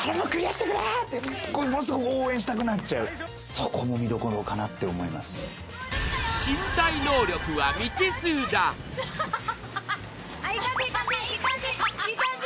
そこも見どころかなって思います・ハハハハ・あっいい感じいい感じ